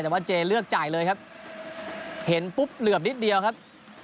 แต่ว่าเจเลือกจ่ายเลยครับเห็นปุ๊บเหลือบนิดเดียวครับ